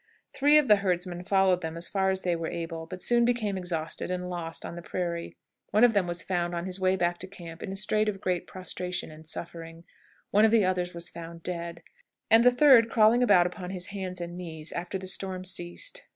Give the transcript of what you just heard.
Three of the herdsmen followed them as far as they were able, but soon became exhausted and lost on the prairie. One of them found his way back to camp in a state of great prostration and suffering. One of the others was found dead, and the third crawling about upon his hands and knees, after the storm ceased.